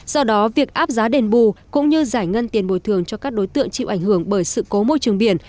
do đó việc áp giá đền bù cũng như giải ngân tiền bồi thường cho các đối tượng chịu ảnh hưởng bởi sự cố môi trường biển